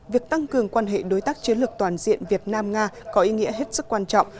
việc tăng cường quan hệ đối tác chiến lược toàn diện việt nam nga có ý nghĩa hết sức quan trọng